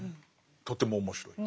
とても面白い。